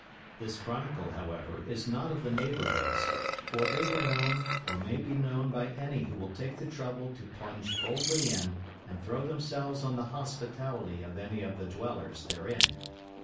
This chronicle, however, is not of the "neighborhoods", for they were known, or may be known by any who will take the trouble to plunge boldly in and throw themselves on the hospitality of any of the dwellers therein.